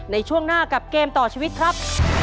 ในช่วงหน้ากับเกมต่อชีวิตครับ